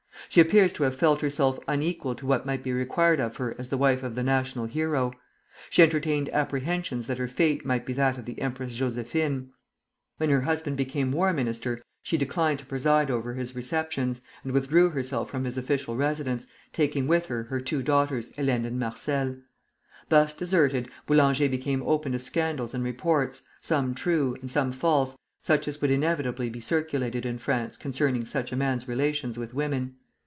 She appears to have felt herself unequal to what might be required of her as the wife of the national hero. She entertained apprehensions that her fate might be that of the Empress Josephine. When her husband became War Minister, she declined to preside over his receptions, and withdrew herself from his official residence, taking with her her two daughters, Hélène and Marcelle. Thus deserted, Boulanger became open to scandals and reports, some true, and some false, such as would inevitably be circulated in France concerning such a man's relations with women.